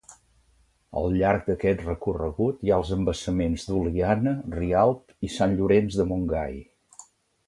Al llarg d'aquest recorregut hi ha els embassaments d'Oliana, Rialb i Sant Llorenç de Montgai.